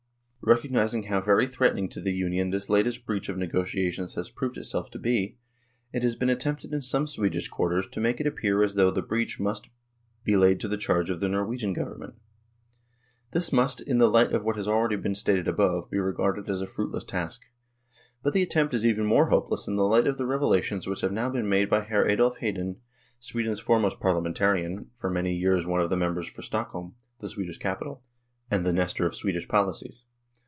Recognising how very threatening to the Union this latest breach of negotiations has proved itself to be, it has been attempted in some Swedish quarters to make it appear as though the breach must be laid to the charge of the Norwegian Government. This must, in the light of what has already been stated above, be regarded as a fruitless task ; but the attempt is even more hopeless in the light of the revelations which have now been made by Hr. Adolf Hedin, Sweden's foremost parliamentarian (for many QUESTION OF THE CONSULAR SERVICE 79 years one of the members for Stockholm, the Swedish capital), and the Nestor of Swedish politics.